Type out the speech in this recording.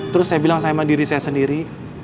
terus saya bilang sama diri saya sendiri